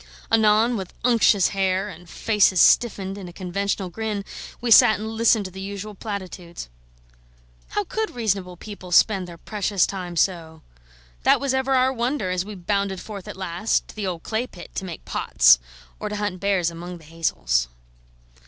Anon, with unctuous hair and faces stiffened in a conventional grin, we sat and listened to the usual platitudes. How could reasonable people spend their precious time so? That was ever our wonder as we bounded forth at last to the old clay pit to make pots, or to hunt bears among the hazels.